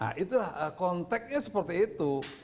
nah itulah konteknya seperti itu